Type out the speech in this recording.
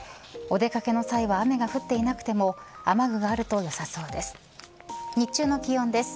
お出掛けの際は雨が降っていなくても雨具があるとよさそうです。